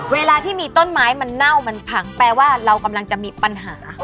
เวลาที่มีต้นไม้มันเน่ามันผังแปลว่าเรากำลังจะมีปัญหา